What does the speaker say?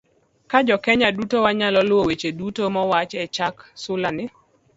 Ka Jo Kenya duto wanyalo luwo weche duto mowach e chak sulani